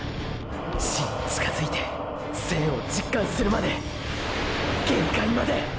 死に近づいて生を実感するまで限界まで！！